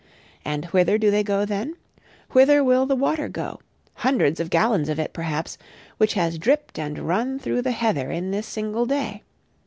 And whither do they go then? Whither will the water go, hundreds of gallons of it perhaps, which has dripped and run through the heather in this single day?